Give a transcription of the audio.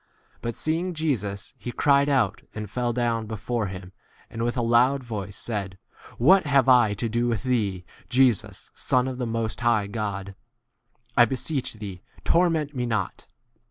But seeing Jesus, he cried out, and fell down before him, and with a loud voice said, What have I to do with thee, Jesus, Son of the Most High God ? I beseech thee, torment me not.